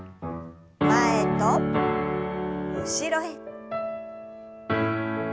前と後ろへ。